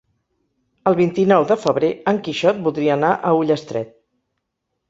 El vint-i-nou de febrer en Quixot voldria anar a Ullastret.